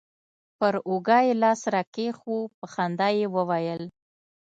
پر اوږه يې لاس راكښېښوو په خندا يې وويل.